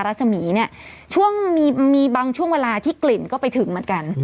รัศมีร์เนี่ยช่วงมีบางช่วงเวลาที่กลิ่นก็ไปถึงเหมือนกัน